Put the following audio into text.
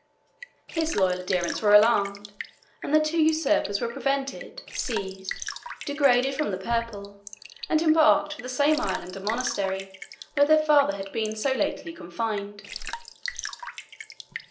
His loyal adherents were alarmed, and the two usurpers were prevented, seized, degraded from the purple, and embarked for the same island and monastery where their father had been so lately confined.